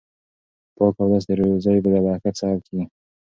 پاک اودس د روزۍ د برکت سبب کیږي.